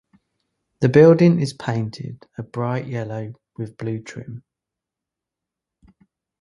The building is painted a bright yellow, with blue trim.